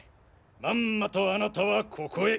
まんまとあなたはここへ。